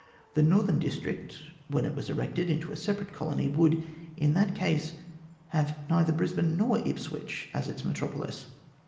The northern district, when it was erected into a separate colony, would, in that case, have neither Brisbane nor Ipswich as its metropolis.